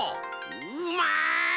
うまい！